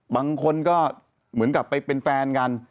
บางคนก็เหมือนกับไปเป็นแฟนกัน